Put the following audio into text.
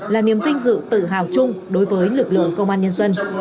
là niềm vinh dự tự hào chung đối với lực lượng công an nhân dân